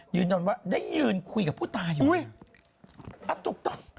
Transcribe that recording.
คือจำนวนว่าได้ยืนคุยกับผู้ตายอยู่เนี่ย